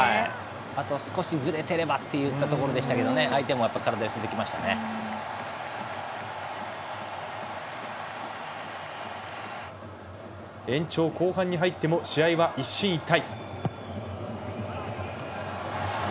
あと少しずれていればといったところでしたけれど延長後半に入っても試合は一進一退。